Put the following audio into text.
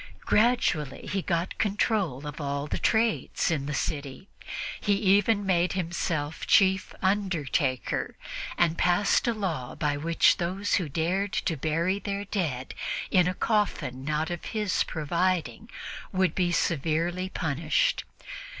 Gradually he got control of all the trades in the city; he even made himself chief undertaker and passed a law by which those who dared to bury their dead in a coffin not of his providing could be severely punished.